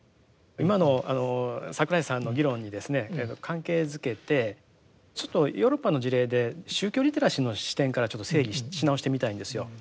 今の櫻井さんの議論にですね関係づけてちょっとヨーロッパの事例で宗教リテラシーの視点からちょっと整理し直してみたいんですよ。